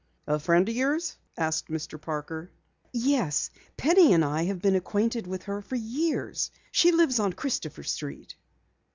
"A friend of yours?" asked Mr. Parker. "Yes, Penny and I have been acquainted with her for years. She lives on Christopher Street."